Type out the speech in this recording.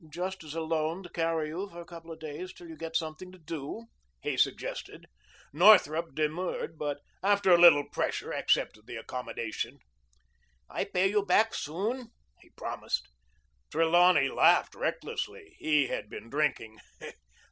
"Just as a loan to carry you for a couple of days till you get something to do," he suggested. Northrup demurred, but after a little pressure accepted the accommodation. "I pay you soon back," he promised. Trelawney laughed recklessly. He had been drinking.